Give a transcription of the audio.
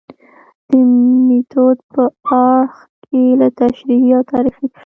د میتود په اړخ کې له تشریحي او تاریخي